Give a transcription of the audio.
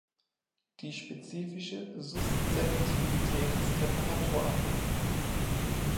Die spezifische Suszeptibilität ist temperaturabhängig.